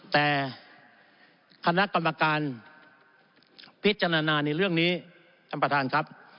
แต่คณะกรรมการพิจารณาในเรื่องนี้ท่านประธานครับ